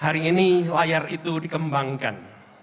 hari ini layar itu dikembangkan